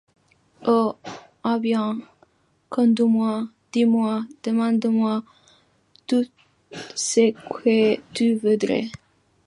Oh ! eh bien ! conduis-moi ! dis-moi ! demande-moi tout ce que tu voudras !